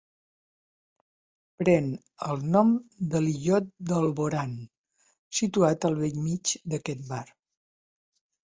Pren el nom de l'illot d'Alborán situat al bell mig d'aquest mar.